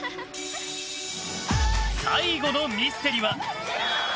最後のミステリは。